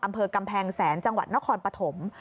อำเภอกำแพงแสนจังหวัดนครปฐม